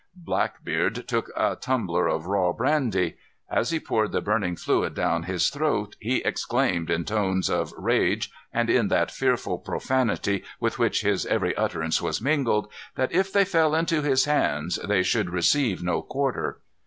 Blackbeard took a tumbler of raw brandy. As he poured the burning fluid down his throat he exclaimed in tones of rage and in that fearful profanity with which his every utterance was mingled, that if they fell into his hands they should receive no quarter.